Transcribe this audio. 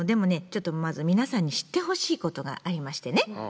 ちょっとまず皆さんに知ってほしいことがありましてね。